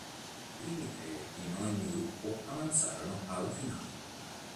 I primi tre in ogni gruppo avanzarono alla finale.